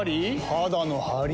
肌のハリ？